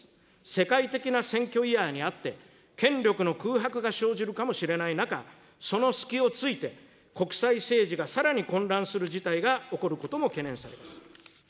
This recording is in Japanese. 世界的な選挙イヤーにあって、権力の空白が生じるかもしれない中、その隙をついて、国際政治がさらに混乱する事態が起こることも懸念されます。